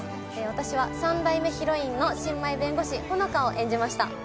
私は３代目ヒロインの新米弁護士穂乃果を演じました